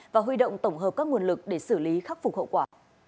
và huy động tổng hợp các nguồn lực để xử lý khắc phục hậu quả